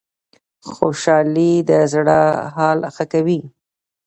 خوشحالي د زړه حال ښه کوي